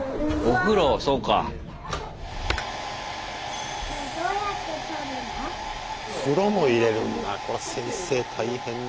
風呂も入れるんだこれ先生大変だ。